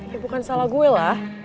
ini bukan salah gue lah